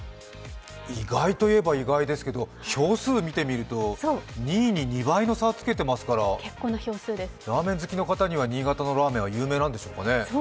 意外といえば意外ですけど票数見てみると２位に２倍の差をつけてますからラーメン好きの方には新潟のラーメンは有名なんでしょうかね。